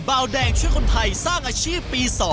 บาวแดงช่วยคนไทยสร้างอาชีพปี๒